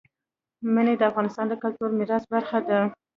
منی د افغانستان د کلتوري میراث برخه ده.